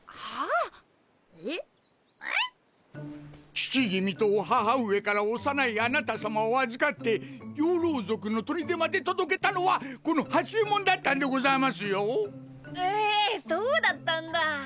父君とお母上から幼いあなたさまを預かって妖狼族の砦まで届けたのはこの八衛門だったんでございますよぉ！！へそうだったんだ。